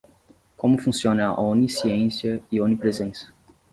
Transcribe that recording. Como funciona a onisciência e a onipresença